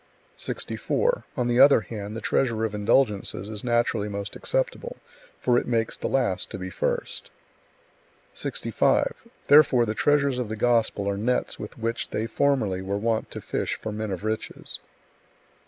64. On the other hand, the treasure of indulgences is naturally most acceptable, for it makes the last to be first. 65. Therefore the treasures of the Gospel are nets with which they formerly were wont to fish for men of riches.